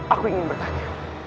aku ingin bertanya